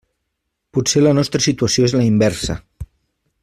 Potser la nostra situació és la inversa.